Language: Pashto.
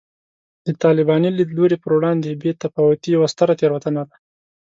د طالباني لیدلوري پر وړاندې بې تفاوتي یوه ستره تېروتنه ده